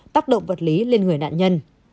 tác động vật lý lên người nạn nhân